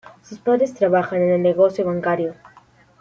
Sus padres trabajan en el negocio bancario.